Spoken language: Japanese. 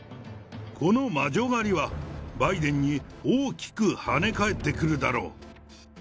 この魔女狩りは、バイデンに大きく跳ね返ってくるだろう。